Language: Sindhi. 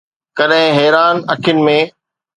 ڪڏهن حيران اکين ۾